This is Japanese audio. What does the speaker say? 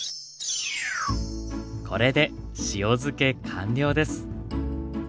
これで塩漬け完了です。